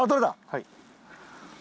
はい。